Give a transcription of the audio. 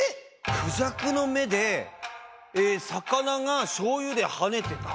クジャクのめでさかながしょうゆではねてた？